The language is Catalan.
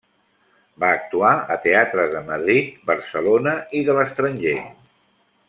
Va actuar a teatres de Madrid, Barcelona i de l'estranger.